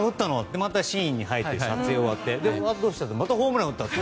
またシーンに入って撮影終わってまたホームラン打ったって。